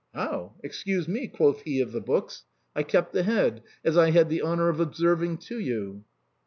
" How ? Excuse me," quoth he of the books ;"/ kept the head, as I had the honor of observing to you."